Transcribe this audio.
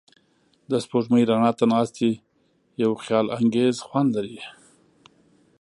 د سپوږمۍ رڼا ته ناستې یو خیالانګیز خوند لري.